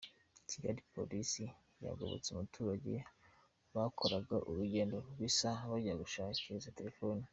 Kigali: Polisi yagobotse abaturage bakoraga urugendo rw’ isaha bajya gushariza telefone .